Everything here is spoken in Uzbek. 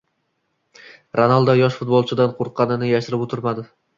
Ronaldo yosh futbolchidan qo‘rqanini yashirib o‘tirmadi.